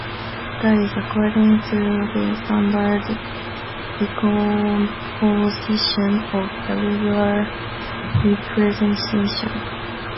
That is according to the standard decomposition of the regular representation.